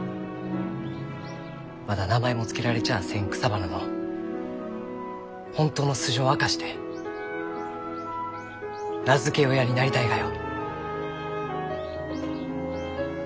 まだ名前も付けられちゃあせん草花の本当の素性を明かして名付け親になりたいがよ。